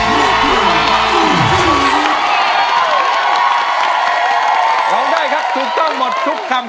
ที่สุดว่าผิดของคนสุดท้าย